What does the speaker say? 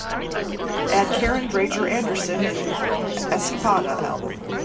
add Karin Dreijer Andersson in Escapada album